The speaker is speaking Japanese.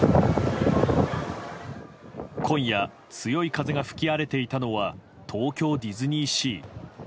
今夜強い風が吹き荒れていたのは東京ディズニーシー。